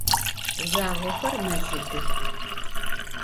Zjüağoxer melıdıx.